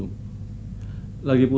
kami berdua kan sudah lama nganggur